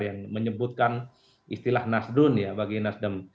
yang menyebutkan istilah nasdun ya bagi nasdem